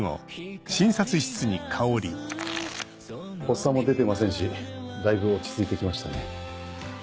発作も出てませんしだいぶ落ち着いて来ましたね。